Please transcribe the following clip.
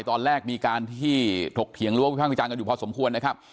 ตอนแรกมีการที่ถกเถียงหรือว่าวิภาควิจารณ์กันอยู่พอสมควรนะครับ